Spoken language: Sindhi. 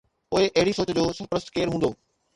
پوءِ اهڙي سوچ جو سرپرست ڪير هوندو؟